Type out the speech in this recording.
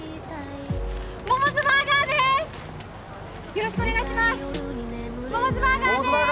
よろしくお願いします